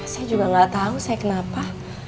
saya juga gak tau saya kenapa